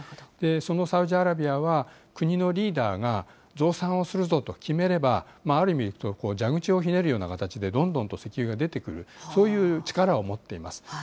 そのサウジアラビアは国のリーダーが増産をするぞと決めれば、ある意味で言うと、蛇口をひねるような形でどんどんと石油が出てくる、そういう力を持っています。